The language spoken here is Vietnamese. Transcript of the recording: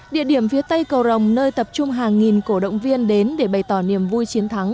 địa điểm phía tây cầu rồng nơi tập trung hàng nghìn cổ động viên đến để bày tỏ niềm vui chiến thắng